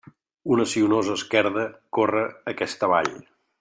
Una sinuosa esquerda corre aquesta vall.